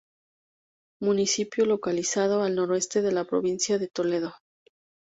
Municipio localizado al noroeste de la provincia de Toledo.